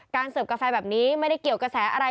เสิร์ฟกาแฟแบบนี้ไม่ได้เกี่ยวกระแสอะไร